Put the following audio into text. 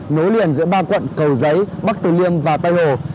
nối liền giữa ba quận cầu giấy bắc từ liêm và tây hồ